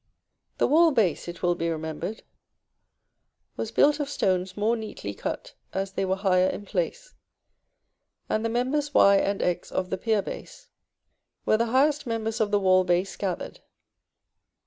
The wall base, it will be remembered, was built of stones more neatly cut as they were higher in place; and the members, Y and X, of the pier base, were the highest members of the wall base gathered.